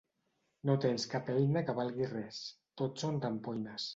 No tens cap eina que valgui res: tot són rampoines.